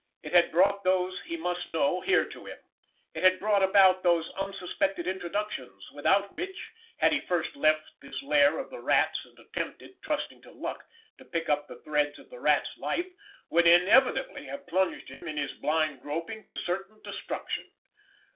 It had brought those he must know here to him; it had brought about those unsuspected introductions without which, had he first left this lair of the Rat's and attempted, trusting to luck, to pick up the threads of the Rat's life, would inevitably have plunged him in his blind groping to certain destruction.